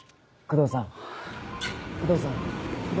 工藤さん工藤さん。